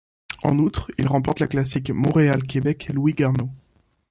En outre, il remporte la Classique Montréal-Québec Louis Garneau.